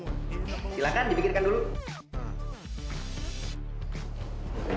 ya sekarang kita juga bisa nyoursrene